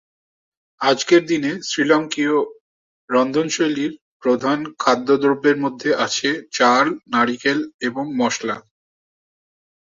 আজকের দিনে শ্রীলংকীয় রন্ধনশৈলীর প্রধান খাদ্য দ্রব্যের মধ্যে আছে চাল, নারিকেল এবং মশলা।